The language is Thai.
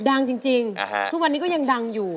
ดังจริงทุกวันนี้ก็ยังดังอยู่